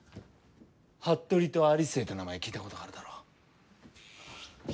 服部と有末という名前聞いたことがあるだろう。